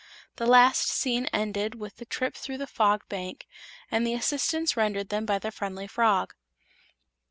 The last scene ended with the trip through the Fog Bank and the assistance rendered them by the friendly frog.